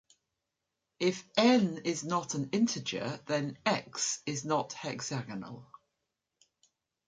If "n" is not an integer, then "x" is not hexagonal.